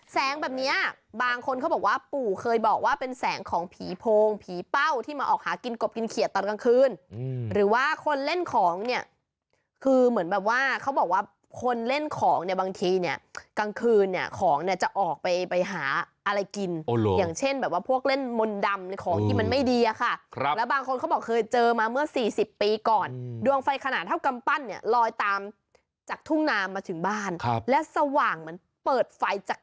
แสงแบบนี้บางคนเขาบอกว่าปู่เคยบอกว่าเป็นแสงของผีพงผีเป้าที่มาออกหากินกบกินเขียตตอนกลางคืนหรือว่าคนเล่นของเนี่ยคือเหมือนแบบว่าเขาบอกว่าคนเล่นของเนี่ยบางทีเนี่ยกลางคืนเนี่ยของเนี่ยจะออกไปไปหาอะไรกินอย่างเช่นแบบว่าพวกเล่นมนต์ดำของนี้มันไม่ดีอะค่ะครับแล้วบางคนเขาบอกเคยเจอมาเมื่อสี่สิบปีก่